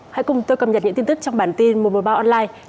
hãy cùng tôi cập nhật những tin tức trong bản tin một trăm một mươi ba online